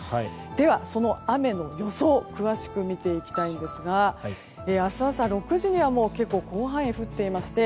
では、その雨の予想詳しく見ていきたいんですが明日朝６時には広範囲に降っていまして